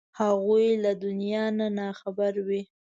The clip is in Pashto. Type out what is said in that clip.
هغوی له دنیا نه نا خبرې وې.